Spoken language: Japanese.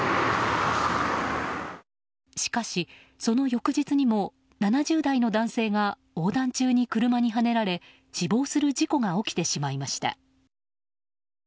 しかし、その翌日にも７０代の男性が横断中に車にはねられ死亡する事故が起きてしまいました。